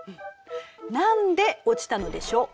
何で落ちたのでしょう？